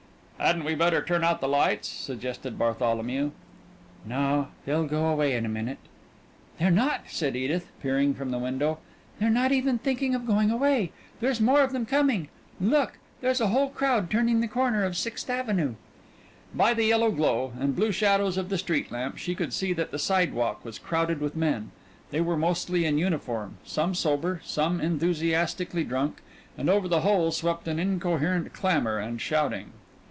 "Hadn't we better turn out the lights?" suggested Bartholomew. "No. They'll go away in a minute." "They're not," said Edith, peering from the window. "They're not even thinking of going away. There's more of them coming. Look there's a whole crowd turning the corner of Sixth Avenue." By the yellow glow and blue shadows of the street lamp she could see that the sidewalk was crowded with men. They were mostly in uniform, some sober, some enthusiastically drunk, and over the whole swept an incoherent clamor and shouting.